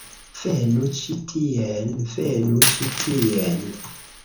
Venu ĉi tien. Venu ĉi tien.